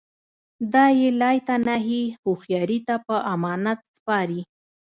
دا یې لایتناهي هوښیاري ته په امانت سپاري